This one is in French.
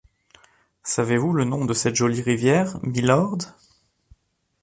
Savez-vous le nom de cette jolie rivière, milord?